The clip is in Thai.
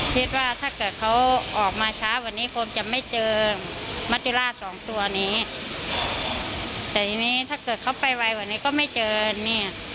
คิดว่าถ้าเกิดเขาออกมาช้ากว่านี้คงจะไม่เจอมัจจุราชสองตัวนี้แต่ทีนี้ถ้าเกิดเขาไปไวกว่านี้ก็ไม่เจอเนี่ย